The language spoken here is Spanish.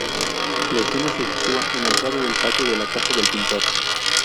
La escena se sitúa en la entrada del patio de la casa del pintor.